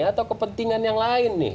atau kepentingan yang lain nih